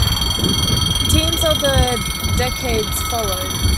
Teams of the decades followed.